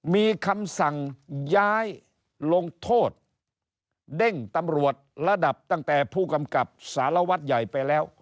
มีคำสั่งย้ายลงโทษเด้งตำรวจระดับตั้งแต่ผู้กำกับสารวัตรใหญ่ไปแล้ว